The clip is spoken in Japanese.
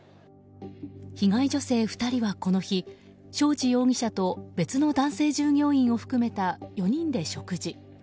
被害女性２人はこの日正地容疑者と別の男性従業員を含めた４人で食事。